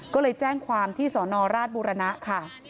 ก็เลยแจ้งความที่สนราชบุรณะค่ะ